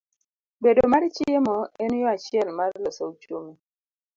Bedo mar chiemo, en yo achiel mar loso uchumi.